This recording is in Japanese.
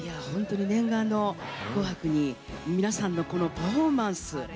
本当に念願の紅白に皆さんのパフォーマンス